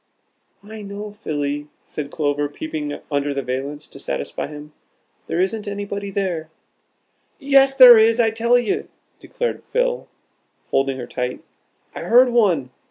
"Why no, Philly!" said Clover, peeping under the valance to satisfy him; "there isn't anybody there." "Yes, there is, I tell you," declared Phil, holding her tight. "I heard one.